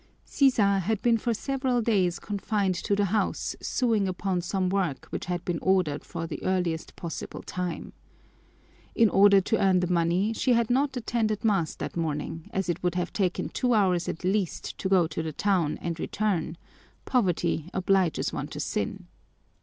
Sisa had been for several days confined to the house sewing upon some work which had been ordered for the earliest possible time. In order to earn the money, she had not attended mass that morning, as it would have taken two hours at least to go to the town and return: poverty obliges one to sin!